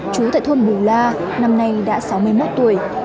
chú tại thôn bù la năm nay đã sáu mươi một tuổi